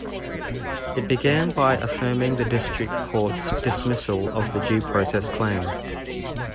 It began by affirming the District Court's dismissal of the Due Process claim.